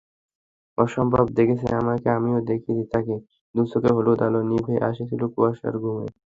অসম্ভব দেখেছে আমাকে, আমিও দেখেছি তাকে—দুচোখে হলুদ আলো নিভে আসছিল কুয়াশার ঘুমে।